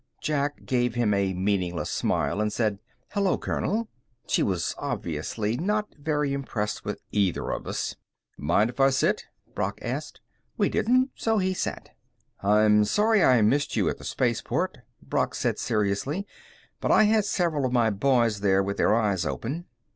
Jack gave him a meaningless smile and said: "Hello, colonel." She was obviously not very impressed with either of us. "Mind if I sit?" Brock asked. We didn't, so he sat. "I'm sorry I missed you at the spaceport," Brock said seriously, "but I had several of my boys there with their eyes open."